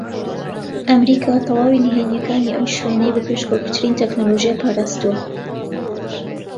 ئەمریکا تەواوی نھێنییەکانی ئەم شوێنەی بە پێشکەوتووترین تەکنەلۆژیا پارازتووە